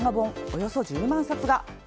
およそ１０万冊が。